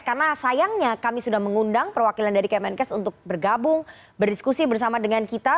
karena sayangnya kami sudah mengundang perwakilan dari kemenkes untuk bergabung berdiskusi bersama dengan kita